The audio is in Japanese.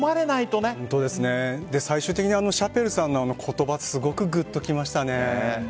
最終的にシャペルさんの言葉ってすごくグッときましたね。